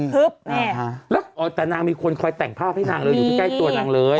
แต่นางมีคนคอยแต่งภาพให้นางเลยอยู่ใกล้ตัวนางเลย